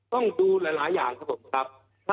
ต้องดูหลายอย่างครับผมครับ